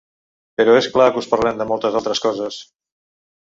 Però és clar que us parlarem de moltes altres coses.